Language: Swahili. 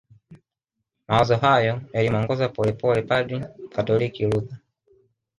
Mawazo hayo yalimuongoza polepole padri mkatoliki Luther